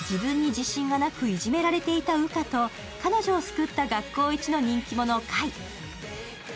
自分に自信がなくいじめられていた羽花と彼女を救った学校一の人気者・界。